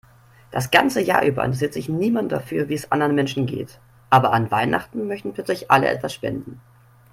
Das ganze Jahr über interessiert sich niemand dafür, wie es anderen Menschen geht, aber an Weihnachten möchten plötzlich alle etwas spenden.